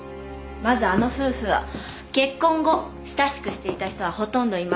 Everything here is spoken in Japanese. まずあの夫婦は結婚後親しくしていた人はほとんどいません。